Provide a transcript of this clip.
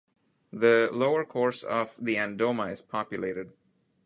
The lower course of the Andoma is populated.